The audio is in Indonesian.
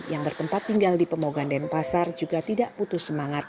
yang bertempat tinggal di pemogan denpasar juga tidak putus semangat